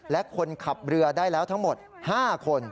และคนขับเรือได้แล้วทั้งหมด๕คน